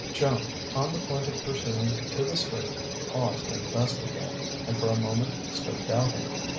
Joan, on the point of pursuing to the street, paused in the vestibule, and for a moment stood doubting.